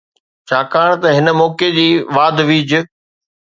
ڇاڪاڻ ته هن موقعي جي واڌ ويجهه